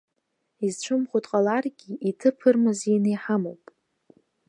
Изцәымӷу дҟаларгьы иҭыԥ ырмазеины иҳамоуп.